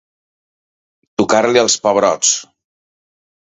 Tocar-li els pebrots.